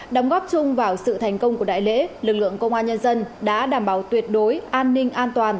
đóng góp chung vào sự thành công của đại lễ lực lượng công an nhân dân đã đảm bảo tuyệt đối an ninh an toàn